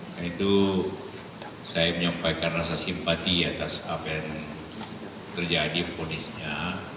dan itu saya menyampaikan rasa simpati atas apa yang terjadi fonisnya